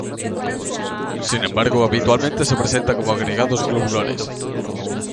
Sin embargo, habitualmente se presenta como agregados globulares.